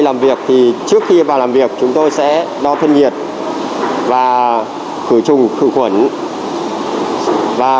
làm việc thì trước khi vào làm việc chúng tôi sẽ đo thân nhiệt và khử trùng khử khuẩn và